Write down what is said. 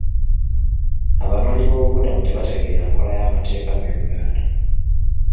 Abanoonyi boobubudamu tebategeera nkola y'amateeka mu Uganda